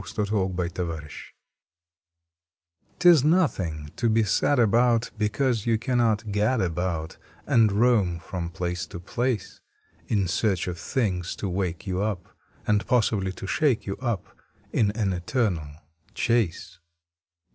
June Sixteenth THE TREE nniS nothing to be sad about Because you cannot gad about, And roam from place to place In search of things to wake you up, And possibly to shake you up, In an eternal chase.